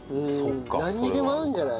なんにでも合うんじゃない？